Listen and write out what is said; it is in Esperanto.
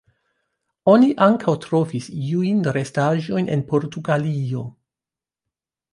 Oni ankaŭ trovis iujn restaĵojn en Portugalio.